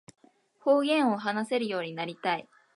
方言を話せるようになりたい